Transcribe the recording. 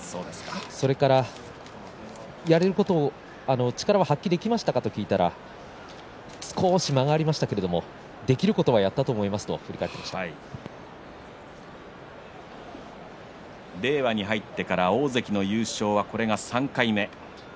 それからやれること力を発揮できましたかと聞いたらば少し間があってできることはやったと思いますと令和に入ってから大関の優勝はこれで３回目。